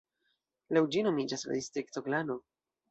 Laŭ ĝi nomiĝas la distrikto Glano.